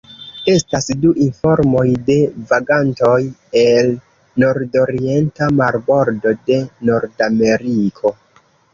Estas du informoj de vagantoj el nordorienta marbordo de Nordameriko.